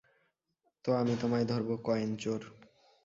তো আমি তোমায় ধরব, কয়েন চোর।